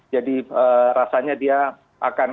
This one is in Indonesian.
jadi rasanya dia akan